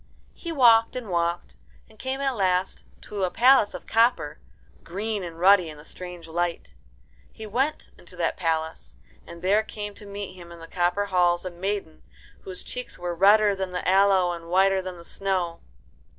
He walked and walked, and came at last to a palace of copper, green and ruddy in the strange light. He went into that palace, and there came to meet him in the copper halls a maiden whose cheeks were redder than the aloe and whiter than the snow.